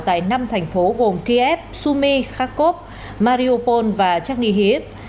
tại năm thành phố gồm kiev sumy kharkov mariupol và chechny hiv